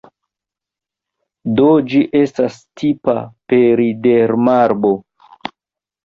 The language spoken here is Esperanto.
Do ĝi estas tipa peridermarbo.